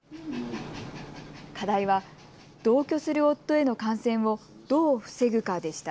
課題は同居する夫への感染をどう防ぐかでした。